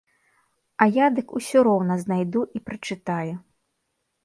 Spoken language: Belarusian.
А я дык усё роўна знайду і прачытаю.